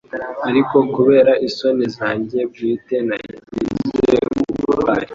ariko kubera isoni zanjye bwite nagize ubutwari